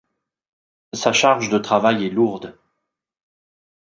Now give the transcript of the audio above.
Sa charge de travail est lourde.